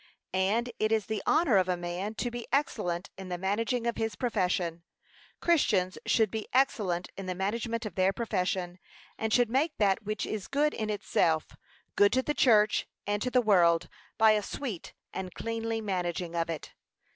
And it is the honour of a man to be excellent in the managing of his profession. Christians should be excellent in the management of their profession, and should make that which is good in itself, good to the church and to the world, by a sweet and cleanly managing of it.